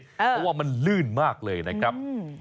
เพราะว่ามันลื่นมากเลยนะครับ